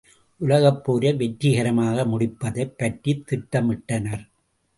உலகப் போரை வெற்றிகரமாக முடிப்பதைப் பற்றித் திட்டமிட்டனர்.